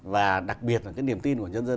và đặc biệt là cái niềm tin của nhân dân